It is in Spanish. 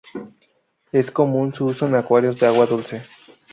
Es común su uso en acuarios de agua dulce.